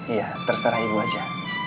iya terserah ibu aja